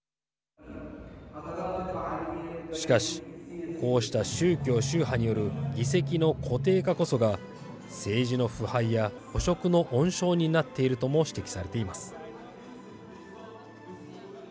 しかしこうした宗教・宗派による議席の固定化こそが政治の腐敗や汚職の温床になっているとも指摘されています。